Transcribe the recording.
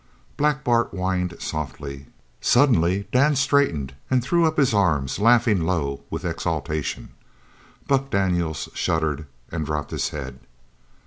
Black Bart whined softly. Suddenly Dan straightened and threw up his arms, laughing low with exultation. Buck Daniels shuddered and dropped his head.